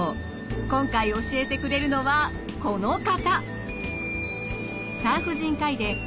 今回教えてくれるのはこの方。